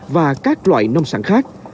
và các loại nông sản khác